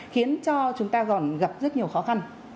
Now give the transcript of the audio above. khiến cho chúng ta còn gặp rất nhiều khó khăn